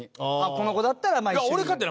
この子だったら一緒に。